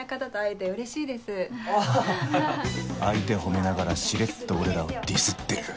相手褒めながらしれっと俺らをディスってる